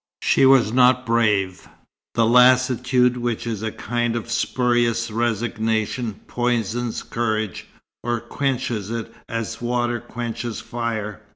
She was not brave. The lassitude which is a kind of spurious resignation poisons courage, or quenches it as water quenches fire.